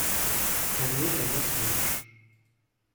Elle n’est qu’un mensonge.